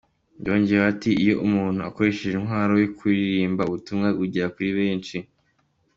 Yongeyeho ati “Iyo umuntu akoresheje intwaro yo kuririmba ubutumwa bugera kuri benshi.